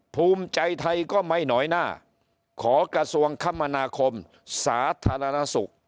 ภูมิใจไทยก็ไม่น้อยหน้าขอกระทรวงคมนาคมสาธารณสุข